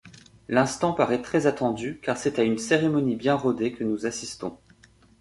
L'instant paraît très attendu car c'est à une cérémonie bien rodée que nous assistons.